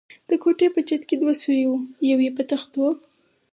د کوټې په چت کې دوه سوري و، یو یې په تختو.